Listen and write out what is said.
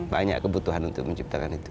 banyak kebutuhan untuk menciptakan itu